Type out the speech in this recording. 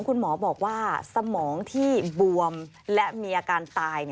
คุณหมอบอกว่าสมองที่บวมและมีอาการตาย